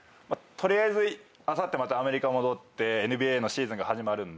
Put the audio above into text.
取りあえずあさってアメリカ戻ってＮＢＡのシーズンが始まるんで。